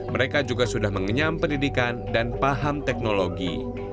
mereka juga sudah mengenyam pendidikan dan paham teknologi